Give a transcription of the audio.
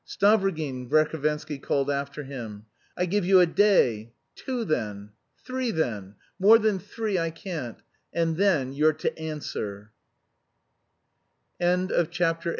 "Stavrogin!" Verhovensky called after him, "I give you a day... two, then... three, then; more than three I can't and then you're to answer!"